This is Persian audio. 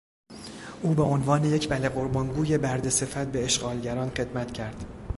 او به عنوان یک بله قربان گوی برده صفت به اشغالگران خدمت کرد.